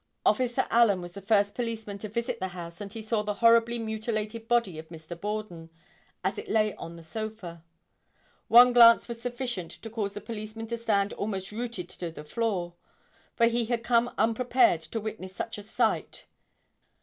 Officer Allen was the first policeman to visit the house and he saw the horribly mutilated body of Mr. Borden, as it lay on the sofa. One glance was sufficient to cause the policeman to stand almost rooted to the floor, for he had come unprepared to witness such a sight.